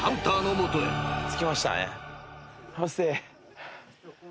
着きましたね。